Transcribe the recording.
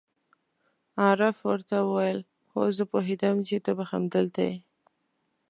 عارف ور ته وویل: هو، زه پوهېدم چې ته به همدلته یې.